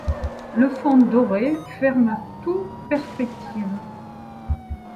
Le fond doré ferme tout perspective.